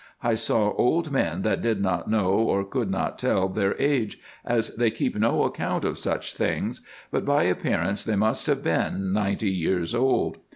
I saw old men that did not know or could not tell their age, as they keep no account of such things ; but by appearance they must have been ninety years old.